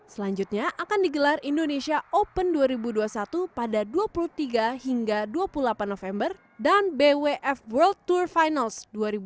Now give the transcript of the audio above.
selanjutnya akan digelar indonesia open dua ribu dua puluh satu pada dua puluh tiga hingga dua puluh delapan november dan bwf world tour finals dua ribu dua puluh